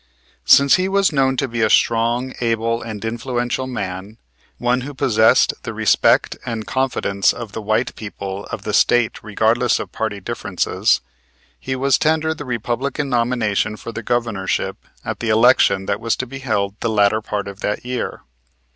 Since he was known to be a strong, able and influential man, one who possessed the respect and confidence of the white people of the State regardless of party differences, he was tendered the Republican nomination for the Governorship at the election that was to be held the latter part of that year.